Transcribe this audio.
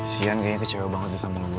sian kayaknya kecewa banget sama lo boy